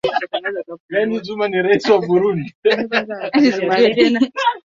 Yake lakini vimekuwa kama nchi ya pekee tangu mwaka